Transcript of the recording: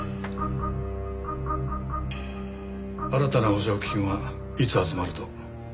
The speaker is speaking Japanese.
新たな保釈金はいつ集まると？